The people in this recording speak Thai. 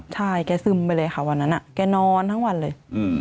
ใช่แกซึมไปเลยค่ะวันนั้นแกนอนทั้งวันเลย